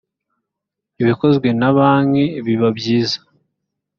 ibikozwe na banki biba byiza.